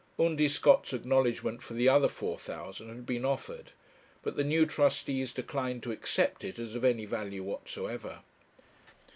Undy Scott's acknowledgement for the other four thousand had been offered, but the new trustees declined to accept it as of any value whatsoever.